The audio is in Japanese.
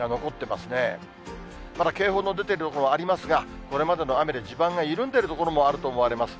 まだ警報出ている所ありますが、これまでの雨で地盤が緩んでいる所もあると思われます。